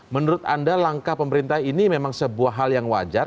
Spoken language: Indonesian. menurut anda langkah pemerintah ini memang sebuah hal yang wajar